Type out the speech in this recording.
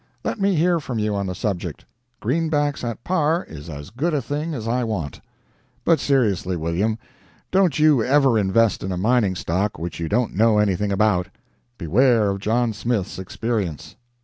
Let me hear from you on the subject. Greenbacks at par is as good a thing as I want. But seriously, William, don't you ever invest in a mining stock which you don't know anything about; beware of John Smith's experience.